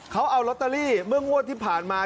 เขาเอาลอตเตอรี่เมื่องวดที่ผ่านมา